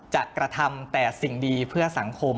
กระทำแต่สิ่งดีเพื่อสังคม